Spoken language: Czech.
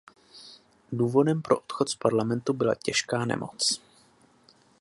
Důvodem pro odchod z parlamentu byla těžká nemoc.